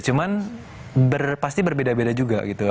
cuman pasti berbeda beda juga gitu